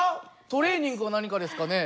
トレーニングか何かですかね？